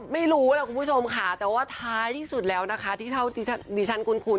ไม่รู้ครับคุณผู้ชมแต่ว่าท้ายที่สุดที่วี่๋ดิฉันคุณคุ้น